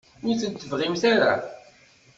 Ur ten-tebɣimt ara?